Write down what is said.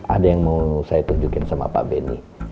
ada yang mau saya tunjukin sama pak benny